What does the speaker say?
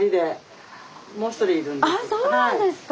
あっそうなんですか。